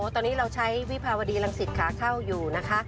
ตอนนี้เราใช้วิภาวดีรังสิตขาเข้าอยู่นะคะ